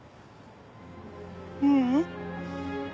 ううん。